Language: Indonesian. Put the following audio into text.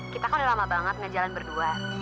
kita kan udah lama banget ngejalan berdua